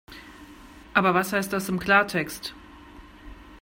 Aber was heißt das im Klartext?